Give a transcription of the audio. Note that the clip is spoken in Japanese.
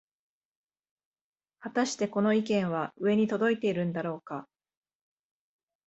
はたしてこの意見は上に届いているんだろうか